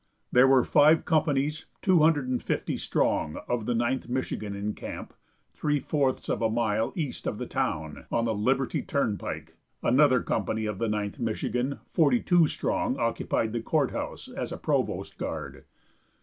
There were five companies, 250 strong, of the Ninth Michigan in camp three fourths of a mile east of the town, on the Liberty turnpike (another company of the Ninth Michigan, forty two strong, occupied the court house as a provost guard).